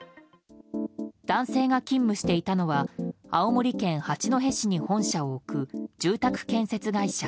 男性が勤務していたのは青森県八戸市に本社を置く住宅建設会社